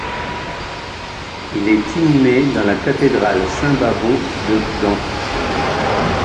Il est inhumé dans la cathédrale Saint-Bavon de Gand.